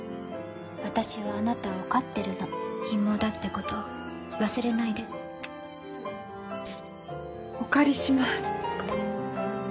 私はあなたを飼ってるのヒモだってこと忘れないでお借りします